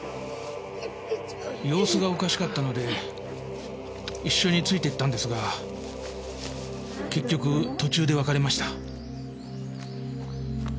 様子がおかしかったので一緒について行ったんですが結局途中で別れました。